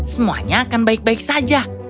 semuanya akan baik baik saja